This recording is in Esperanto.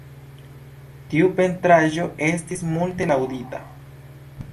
Tiu pentraĵo estis multe laŭdita.